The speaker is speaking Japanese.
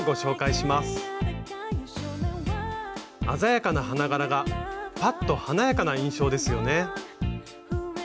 鮮やかな花柄がパッと華やかな印象ですよね。